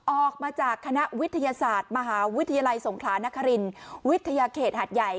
ออกมาจากคณะวิทยาศาสตร์มหาวิทยาลัยสงขลานครินวิทยาเขตหัดใหญ่